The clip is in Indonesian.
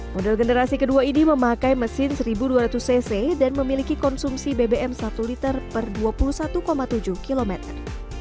yang dibekali mesin berkapasitas seribu dua ratus cc dengan konsumsi bahan bakar satu liter per dua puluh satu tujuh kilometer